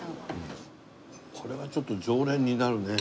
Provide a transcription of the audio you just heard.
これはちょっと常連になるね。